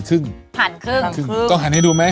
ต้องหันให้ดูไหม